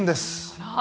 あら。